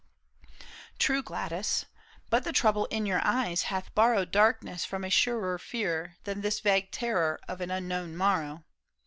" True, Gladys ; but the trouble in your eyes Hath borrowed darkness from a surer fear Than this vague terror of an unknown morrow.